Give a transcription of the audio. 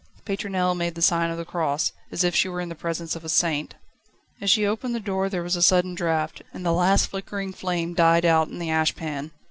Pétronelle made the sign of the cross, as if she were in the presence of a saint. As she opened the door there was a sudden draught, and the last flickering flame died out in the ash pan.